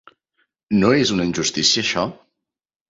No és una injustícia, això?